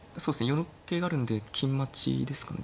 ４六桂があるので金待ちですかね。